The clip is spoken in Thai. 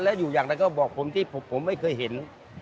และอยู่อย่างนั้นก็บอกผมที่ผมไม่เคยเห็น